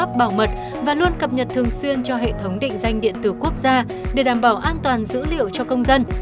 bộ công an đã áp dụng nhiều biện pháp bảo mật và luôn cập nhật thường xuyên cho hệ thống định danh điện tử quốc gia để đảm bảo an toàn dữ liệu cho công dân